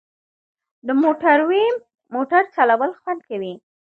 په موټروی موټر چلول خوند کوي